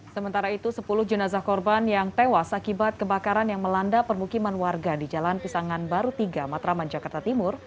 sementara itu sepuluh jenazah korban yang tewas akibat kebakaran yang melanda permukiman warga di jalan pisangan baru tiga matraman jakarta timur